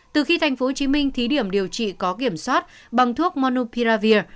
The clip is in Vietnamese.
từ khi tp hcm thí điểm điều trị có kiểm soát bằng thuốc manupiravir